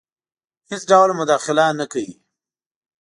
هیڅ ډول مداخله نه کوي.